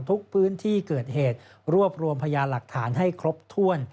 ทุกพื้นที่เกิดเหตุรวบรวมพยานหลักฐานให้ครบถ้วน